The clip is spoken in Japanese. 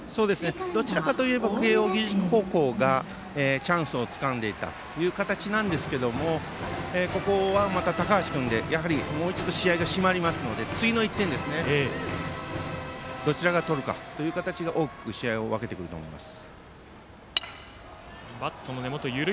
どちらかといえば慶応義塾高校がチャンスをつかんでいたという形なんですがここは、高橋君でもう一度試合が締まりますので、次の１点をどちらが取るかが大きく試合を分けてくると思います。